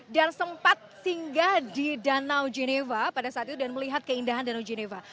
dan sempat tinggal di danau geneva pada saat itu dan melihat keindahan danau geneva